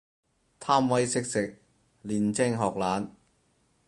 貪威識食，練精學懶